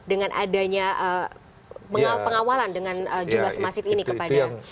dengan adanya pengawalan dengan jumlah semasif ini kepada